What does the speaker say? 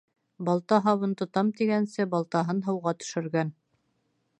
Балта һабын тотам тигәнсе, балтаһын һыуға төшөргән.